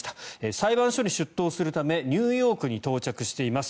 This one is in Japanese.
裁判所に出頭するためニューヨークに到着しています。